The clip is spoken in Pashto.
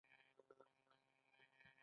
د ناور جهیل د کومو مرغانو کور دی؟